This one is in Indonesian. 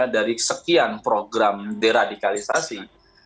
dari sekian program deradikalisasi